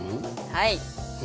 はい。